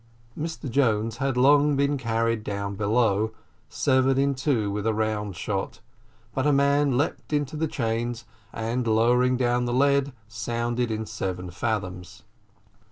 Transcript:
Mr Jones had long been carried down below, severed in two with a round shot but a man leaped into the chains, and lowering down the lead, sounded in seven fathoms.